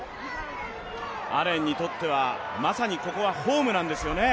アレンにとっては、まさにここはホームなんですよね。